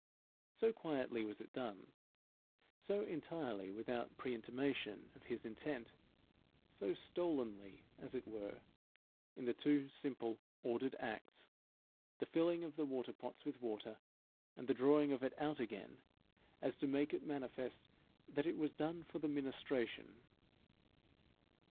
So quietly was it done, so entirely without pre intimation of his intent, so stolenly, as it were, in the two simple ordered acts, the filling of the water pots with water, and the drawing of it out again, as to make it manifest that it was done for the ministration.